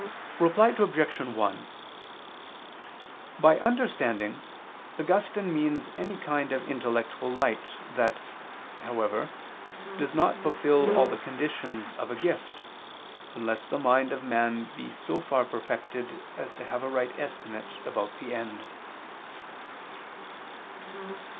Reply Obj. 1: By understanding Augustine means any kind of intellectual light, that, however, does not fulfil all the conditions of a gift, unless the mind of man be so far perfected as to have a right estimate about the end.